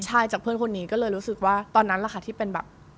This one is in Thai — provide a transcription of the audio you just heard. ใช่จากเพื่อนคนนี้ก็เลยรู้สึกว่าตอนนั้นแหละค่ะที่เป็นแบบ